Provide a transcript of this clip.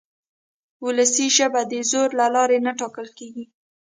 وولسي ژبه د زور له لارې نه ټاکل کېږي.